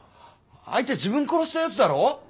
相手自分殺したやつだろ？